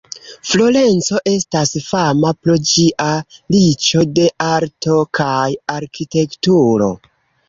Florenco estas fama pro ĝia riĉo de arto kaj arkitekturo.